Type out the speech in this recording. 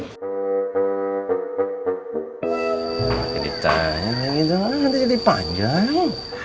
nanti ditanya nanti jadi panjang